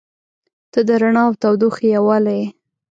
• ته د رڼا او تودوخې یووالی یې.